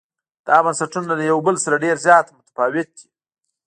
دا بنسټونه له یو بل سره ډېر زیات متفاوت دي.